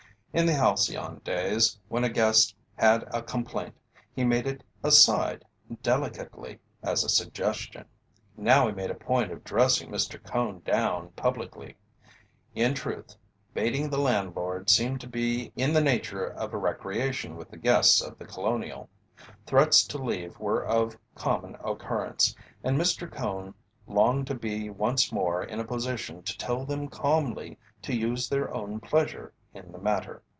In the halcyon days when a guest had a complaint, he made it aside, delicately, as a suggestion. Now he made a point of dressing Mr. Cone down publicly. In truth, baiting the landlord seemed to be in the nature of a recreation with the guests of The Colonial. Threats to leave were of common occurrence, and Mr. Cone longed to be once more in a position to tell them calmly to use their own pleasure in the matter.